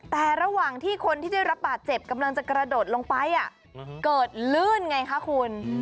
แต่ระหว่างที่คนที่ได้รับบาดเจ็บกำลังจะกระโดดลงไปเกิดลื่นไงคะคุณ